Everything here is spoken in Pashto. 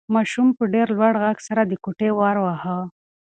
ماشوم په ډېر لوړ غږ سره د کوټې ور واهه.